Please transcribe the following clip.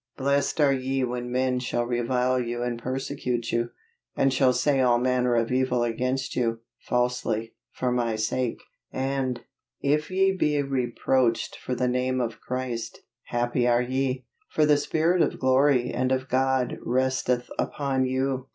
"Blessed are ye when men shall revile you and persecute you, and shall say all manner of evil against you, falsely, for my sake;" and, "If ye be reproached for the name of Christ, happy are ye; for the spirit of glory and of God resteth upon you."